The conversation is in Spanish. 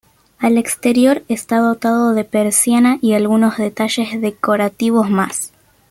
Al exterior está dotado de persiana y algunos detalles decorativos más.